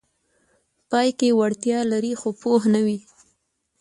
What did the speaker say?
پای کې وړتیا لري خو پوه نه وي: